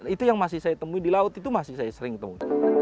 itu yang masih saya temui di laut itu masih saya sering temui